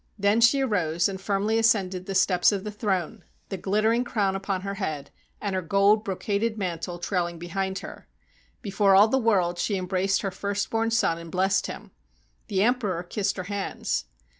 Then she arose and firmly ascended the steps of the throne, the gHttering crown upon her head and her gold brocaded mantle trailing behind her. Before all the world she embraced her first born son and blessed him. The emperor kissed her hands.